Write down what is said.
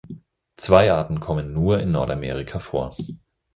Zwei Arten kommen nur in Nordamerika vor.